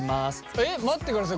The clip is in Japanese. え待ってください